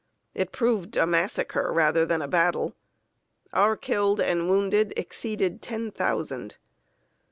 It proved a massacre rather than a battle. Our killed and wounded exceeded ten thousand.